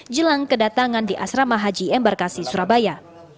jelang kedatangan di asrama haji embarkasi surabaya